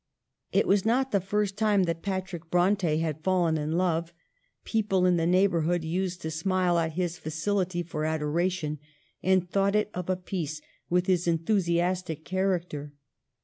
It was not the first time that Patrick Bronte had fallen in love ; people in the neighborhood used to smile at his facility for adoration, and thought it of a piece with his enthusiastic character.